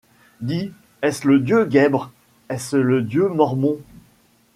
Dis, est-ce le dieu guèbre, est-ce le dieu mormon